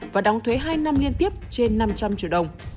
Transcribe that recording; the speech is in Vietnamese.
và đóng thuế hai năm liên tiếp trên năm trăm linh triệu đồng